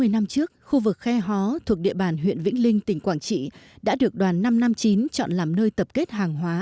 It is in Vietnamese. sáu mươi năm trước khu vực khe hó thuộc địa bàn huyện vĩnh linh tỉnh quảng trị đã được đoàn năm trăm năm mươi chín chọn làm nơi tập kết hàng hóa